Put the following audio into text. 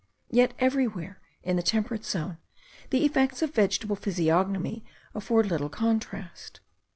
Yet everywhere in the temperate zone, the effects of vegetable physiognomy afford little contrast.